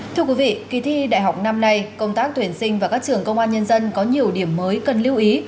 thưa quý vị kỳ thi đại học năm nay công tác tuyển sinh và các trường công an nhân dân có nhiều điểm mới cần lưu ý